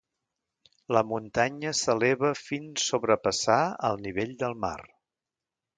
La muntanya s'eleva fins sobrepassar al nivell del mar.